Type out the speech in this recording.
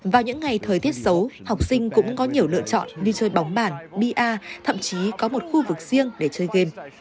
vào những ngày thời tiết xấu học sinh cũng có nhiều lựa chọn đi chơi bóng bản bi a thậm chí có một khu vực riêng để chơi game